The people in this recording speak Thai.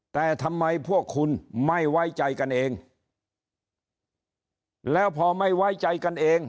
แต่ทำไมพวกคุณไม่ไว้ใจกันเองแล้วพอไม่ไว้ใจกันเอง